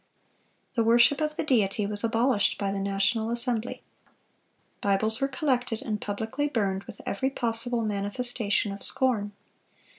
The worship of the Deity was abolished by the National Assembly. Bibles were collected and publicly burned with every possible manifestation of scorn.